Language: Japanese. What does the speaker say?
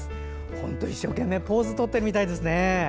本当、一生懸命ポーズをとっているみたいですね。